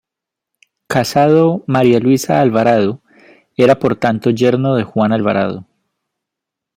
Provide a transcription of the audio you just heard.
Casado María Luisa Alvarado, era por tanto yerno de Juan Alvarado.